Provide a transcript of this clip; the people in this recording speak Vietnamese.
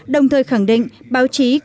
đồng thời khẳng định báo chí có một trung tâm